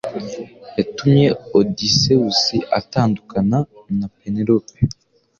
yatumye Odysseus atandukana na Penelope